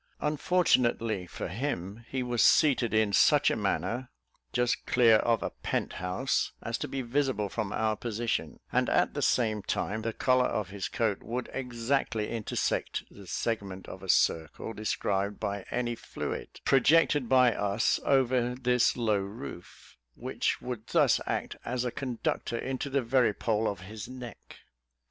Unfortunately for him, he was seated in such a manner, just clear of a pent house, as to be visible from our position; and at the same time, the collar of his coat would exactly intersect the segment of a circle described by any fluid, projected by us over this low roof, which would thus act as a conductor into the very pole of his neck.